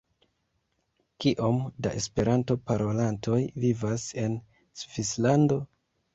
Kiom da esperanto-parolantoj vivas en Svislando?